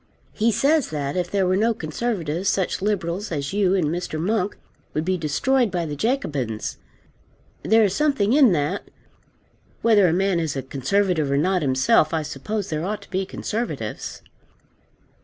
He says that, if there were no Conservatives, such Liberals as you and Mr. Monk would be destroyed by the Jacobins. There is something in that. Whether a man is a Conservative or not himself, I suppose there ought to be Conservatives.